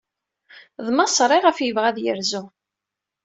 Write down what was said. D Maṣer ayɣef yebɣa ad yerzu.